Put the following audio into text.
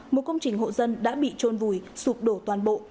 một công trình hộ dân đã bị trôn vùi sụp đổ toàn bộ